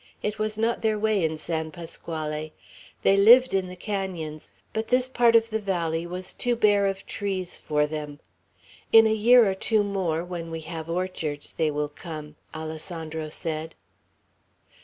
It was not their way in San Pasquale. They lived in the canons, but this part of the valley was too bare of trees for them. "In a year or two more, when we have orchards, they will come," Alessandro said.